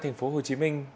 thành phố hồ chí minh